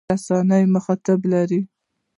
رسنۍ مخاطبان لري.